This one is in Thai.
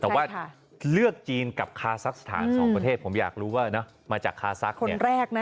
แต่ว่าเลือกจีนกับคาซักสถาน๒ประเทศผมอยากรู้ว่ามาจากคาซักเนี่ย